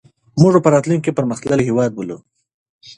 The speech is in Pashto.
موږ به راتلونکي کې پرمختللی هېواد ولرو.